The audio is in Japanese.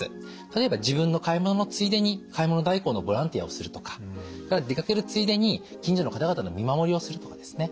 例えば自分の買い物のついでに買い物代行のボランティアをするとかそれから出かけるついでに近所の方々の見守りをするとかですね